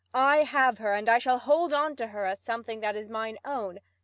I have her, and I shall hold on to her as something that is mine own.